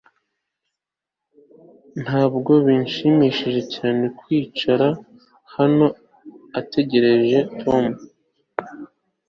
Ntabwo bishimishije cyane kwicara hano utegereje Tom